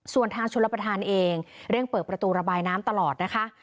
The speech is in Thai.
ส่วนทางชลประธานเองเร่งเปิดประตูระบายน้ำตลอดนะคะ